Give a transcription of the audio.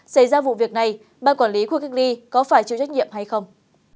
xảy ra vụ việc này bà quản lý khu kích ly có phải chịu trách nhiệm hay không